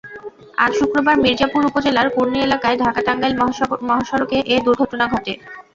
আজ শুক্রবার মির্জাপুর উপজেলার কুর্ণী এলাকায় ঢাকা টাঙ্গাইল মহাসড়কে এ দুর্ঘটনা ঘটে।